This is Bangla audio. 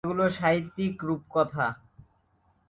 সেগুলো সাহিত্যিক রূপকথা।